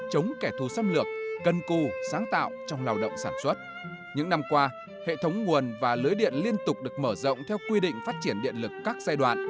hệ thống nguồn và lưới điện liên tục được mở rộng theo quy định phát triển điện lực các giai đoạn